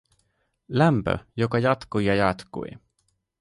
Lämpö, joka jatkui ja jatkui.